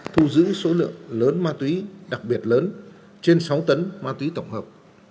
thu giữ số lượng lớn ma túy đặc biệt lớn trên sáu tấn ma túy tổng hợp